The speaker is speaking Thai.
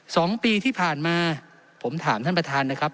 สองปีที่ผ่านมาผมถามท่านประธานนะครับ